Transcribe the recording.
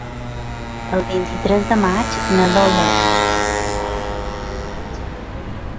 El vint-i-tres de maig na Lola i na Jana volen anar a la platja.